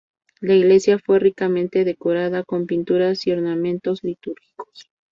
La iglesia fue ricamente decorada con pinturas y ornamentos litúrgicos.